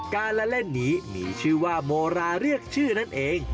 การละเล่นนี้มีชื่อว่าโมราเรียกชื่อนั่นเอง